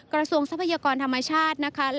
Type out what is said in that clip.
กระทรวงทรัพยากรธรรมชาติ